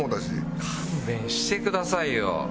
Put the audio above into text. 勘弁してくださいよ！